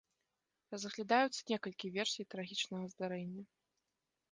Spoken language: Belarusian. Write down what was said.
Разглядаюцца некалькі версій трагічнага здарэння.